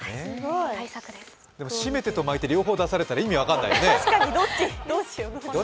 でも、しめてと巻いてを同時に出されたら分からないよね。